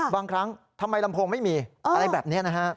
บางครั้งทำไมลำโพงไม่มีอะไรแบบนี้นะฮะ